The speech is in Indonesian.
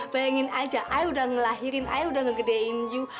bayangin aja ay udah ngelahirin ay udah ngegedein you